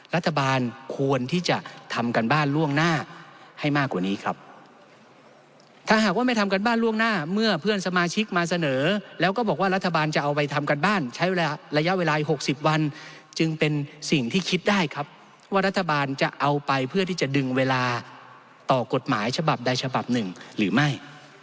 รัฐบาลควรที่จะทำการบ้านล่วงหน้าให้มากกว่านี้ครับถ้าหากว่าไม่ทำการบ้านล่วงหน้าเมื่อเพื่อนสมาชิกมาเสนอแล้วก็บอกว่ารัฐบาลจะเอาไปทำการบ้านใช้เวลาระยะเวลา๖๐วันจึงเป็นสิ่งที่คิดได้ครับว่ารัฐบาลจะเอาไปเพื่อที่จะดึงเวลาต่อกฎหมายฉบับใดฉบับหนึ่งหรือไม่